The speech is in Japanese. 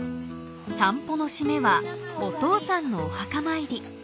散歩の締めはお父さんのお墓参り。